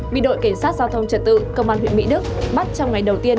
bị đội kiểm soát giao thông trật tự công an huyện mỹ đức bắt trong ngày đầu tiên